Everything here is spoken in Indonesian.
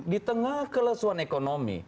di tengah kelesuan ekonomi